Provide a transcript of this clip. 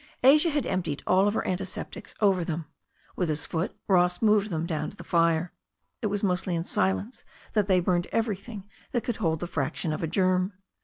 Asia had emptied all her antiseptics over them. With his foot Ross moved them down to the fire. It was mostly in silence that they burned everything that could hold the fraction of a germ.